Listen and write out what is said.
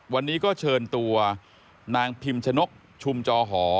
วันนี้ก็เชิญตัวนางพิมชนกชุมจอหอ